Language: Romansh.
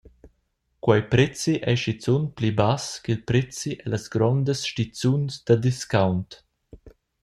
Quei prezi ei schizun pli bass ch’il prezi ellas grondas stizuns da discount.